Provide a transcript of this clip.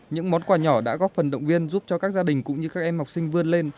những món quà nhỏ đã góp phần động viên giúp cho các gia đình cũng như các em học sinh vươn lên